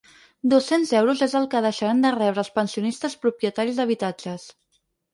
Dos-cents euros és el que deixaran de rebre els pensionistes propietaris d’habitatges.